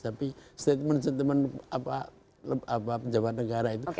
tapi statement statement pejabat negara itu